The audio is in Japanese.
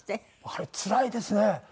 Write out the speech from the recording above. あれつらいですね！